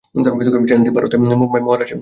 চ্যানেলটি ভারতের মুম্বাই, মহারাষ্ট্রে অবস্থিত।